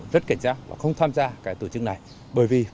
dân châu hoa không tham gia tổ chức work in v v